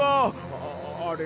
ああれ？